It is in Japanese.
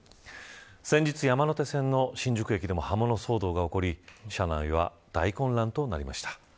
先日、山手線の新宿駅でも刃物騒動が起こり車内は大混乱となりました。